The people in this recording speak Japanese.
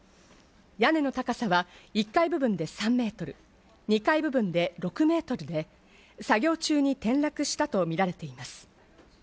屋根の高さは１階部分で３ｍ、２階部分で６メートルで、作業中に転落したとみられています。